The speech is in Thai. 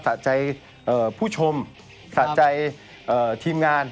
สะใจผู้ชมสะใจทีมงาน